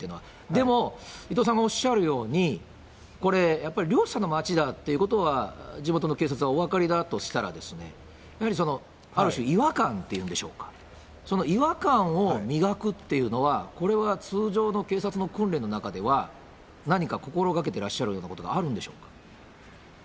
でも、伊藤さんがおっしゃるように、これ、やっぱり漁師さんの町だということが、地元の警察はお分かりだとしたら、やはりある種、違和感っていうんでしょうか、その違和感を磨くっていうのは、これは通常の警察の訓練の中では、何か心がけてらっしゃるようなことがあるんでしょうか。